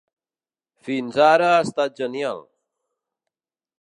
Fins ara ha estat genial.